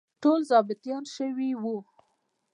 ټول ظابیطان شوي وو.